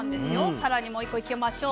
更にもう１個いきましょう。